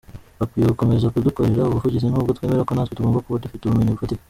Bakwiye gukomeza kudukorera ubuvugizi nubwo twemera ko natwe tugomba kuba dufite ubumenyi bufatika.